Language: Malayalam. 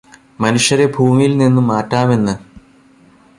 മനുഷ്യരെ ഭൂമിയില് നിന്നും മാറ്റാമെന്ന്